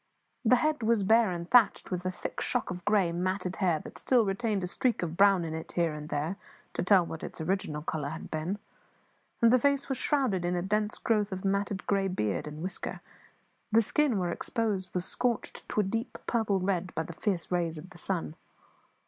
The head was bare, and thatched with a thick shock of grey, matted hair that still retained a streak of brown in it here and there to tell what its original colour had been; and the face was shrouded in a dense growth of matted grey beard and whisker; the skin, where exposed, was scorched to a deep purple red by the fierce rays of the sun.